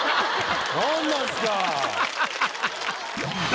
何なんすか。